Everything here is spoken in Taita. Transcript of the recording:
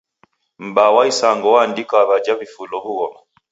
M'baa wa isanga oandika w'aja w'ifulo w'ughoma.